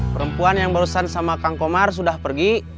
perempuan yang lawan dengan kang kumar sudah pergi